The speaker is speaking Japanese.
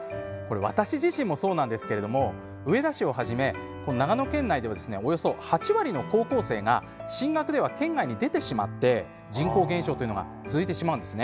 私自身もそうですが上田市をはじめ、長野県内ではおよそ８割の高校生が、進学では県外に出てしまって人口減少が続いてしまいます。